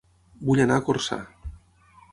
Vull anar a Corçà